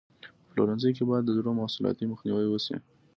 په پلورنځي کې باید د زړو محصولاتو مخنیوی وشي.